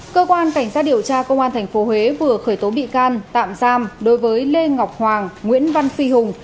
cơ quan cảnh sát điều tra công an tp huế vừa khởi tố bị can tạm giam đối với lê ngọc hoàng nguyễn văn phi hùng